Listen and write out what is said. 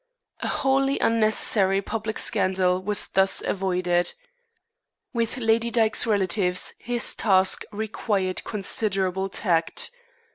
A wholly unnecessary public scandal was thus avoided. With Lady Dyke's relatives his task required considerable tact.